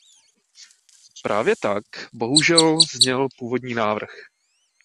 Právě tak bohužel zněl původní návrh.